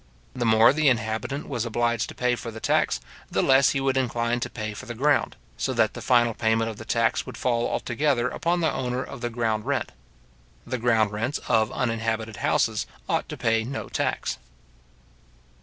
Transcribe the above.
The more the inhabitant was obliged to pay for the tax, the less he would incline to pay for the ground; so that the final payment of the tax would fall altogether upon the owner of the ground rent. The ground rents of uninhabited houses ought to pay no tax.